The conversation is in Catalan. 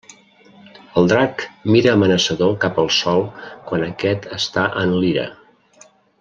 El Drac mira amenaçador cap al Sol quan aquest està en Lira.